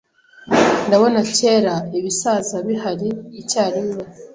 Ndabona Kera Ibisaza bihari icyarimwe